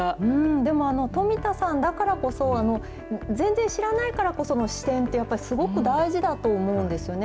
でも、富田さんだからこそ、全然知らないからこその視点って、やっぱりすごく大事だと思うんですよね。